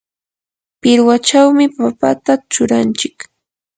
pirwachawmi papata churanchik.